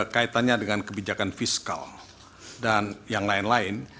kaitannya dengan kebijakan fiskal dan yang lain lain